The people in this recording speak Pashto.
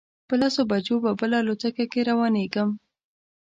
پر لسو بجو به بله الوتکه کې روانېږم.